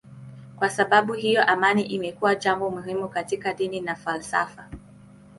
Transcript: Kwa sababu hiyo amani imekuwa jambo muhimu katika dini na falsafa.